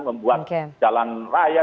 membuat jalan raya